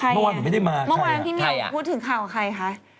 เมื่อวานผมไม่ได้มาใครอ่ะเมื่อวานพี่เมียวพูดถึงข่าวของใครคะ